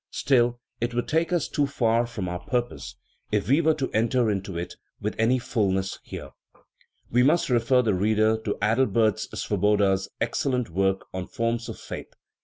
Still, it would take us too far from our purpose if we were to enter into it with any fulness here ; we must refer the reader to Adalbert Svoboda's excellent work on Forms of Faith (1897).